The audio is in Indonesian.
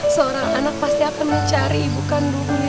seorang anak pasti akan mencari ibu kandungnya